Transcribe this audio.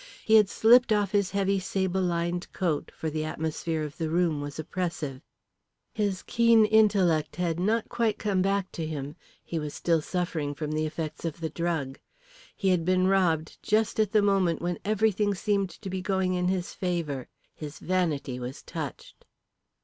He had slipped off his heavy sable lined overcoat, for the atmosphere of the room was oppressive. His keen intellect had not quite come back to him, he was still suffering from the effects of the drug. He had been robbed just at the moment when everything seemed to be going in his favour. His vanity was touched.